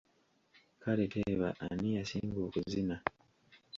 Kale teeba ani yasinga okuzina?